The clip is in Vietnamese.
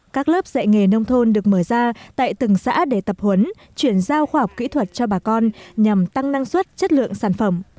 các lớp dạy nghề nông thôn được mở ra tại từng xã để tập huấn chuyển giao khoa học kỹ thuật cho bà con nhằm tăng năng suất chất lượng sản phẩm